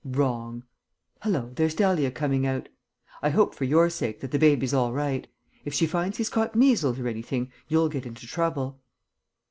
"Wrong. Hallo, here's Dahlia coming out. I hope, for your sake, that the baby's all right. If she finds he's caught measles or anything, you'll get into trouble."